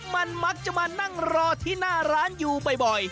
มันมักจะมานั่งรอที่หน้าร้านอยู่บ่อย